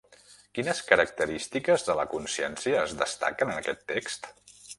Quines característiques de la consciència es destaquen en aquest text?